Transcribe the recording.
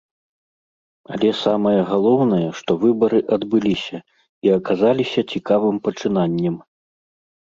Але самае галоўнае, што выбары адбыліся, і аказаліся цікавым пачынаннем.